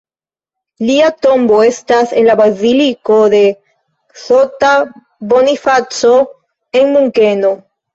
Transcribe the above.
Lia tombo estas en la baziliko de S-ta Bonifaco en Munkeno.